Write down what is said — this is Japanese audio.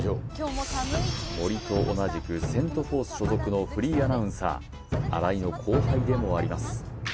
森と同じくセント・フォース所属のフリーアナウンサー新井の後輩でもあります